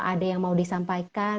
ada yang mau disampaikan